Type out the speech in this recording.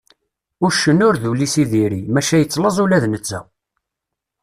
Uccen ur d ul-is i diri, maca yettlaẓ ula d netta.